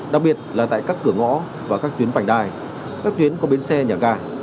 đặc biệt là tại các cửa ngõ và các tuyến bảnh đai các tuyến có bến xe nhà gà